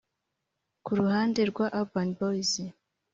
Ku ruhande rwa Urban Boys